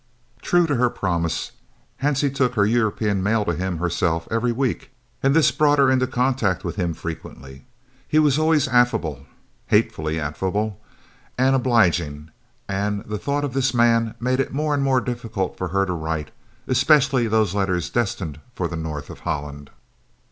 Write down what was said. True to her promise, Hansie took her European mail to him herself every week, and this brought her into contact with him frequently. He was always affable (hatefully affable) and obliging, and the thought of this man made it more and more difficult for her to write, especially those letters destined for the north of Holland.